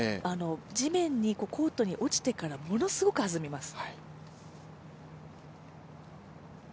地面に、コートに落ちてからものすごく弾みます。